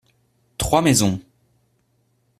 Trois maisons.